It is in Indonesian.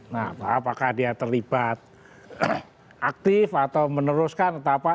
nah apakah dia terlibat aktif atau meneruskan atau apa